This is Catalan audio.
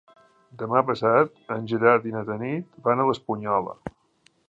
Demà passat en Gerard i na Tanit van a l'Espunyola.